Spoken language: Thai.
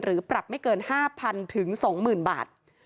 หรือปรับไม่เกิน๕๐๐๐ถึง๒๐๐๐๐บาท